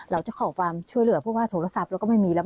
เราจะขอความช่วยเหลือเพราะว่าโทรศัพท์เราก็ไม่มีแล้ว